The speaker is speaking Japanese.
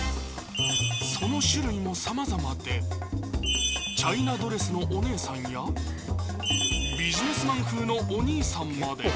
その種類もさまざまでチャイナドレスのお姉さんやビジネスマン風のお兄さんまで。